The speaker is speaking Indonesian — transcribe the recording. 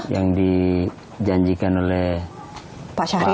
yang dijanjikan oleh pak syahril